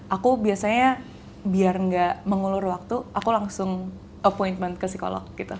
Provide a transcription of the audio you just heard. aku biasanya biar nggak mengulur waktu aku langsung appointment ke psikolog gitu